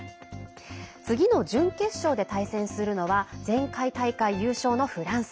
次の準決勝で対戦するのは前回大会優勝のフランス。